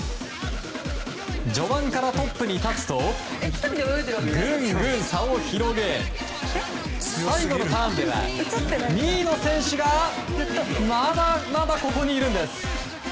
序盤からトップに立つとぐんぐん差を広げ最後のターンでは２位の選手がまだここにいるんです。